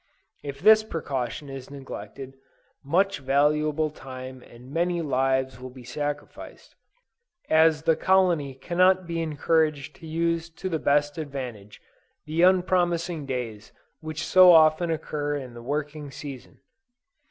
If this precaution is neglected, much valuable time and many lives will be sacrificed, as the colony cannot be encouraged to use to the best advantage the unpromising days which so often occur in the working season.